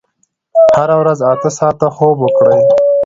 هره ورځ اته ساعته خوب وکړئ.